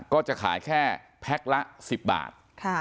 ก็จะขายแค่แพ็คละ๑๐บาท